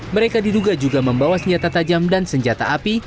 mereka diduga juga membawa senjata tajam dan senjata api